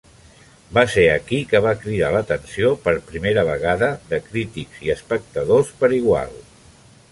Va ser aquí que va cridar l'atenció per primera vegada de crítics i espectadors per igual.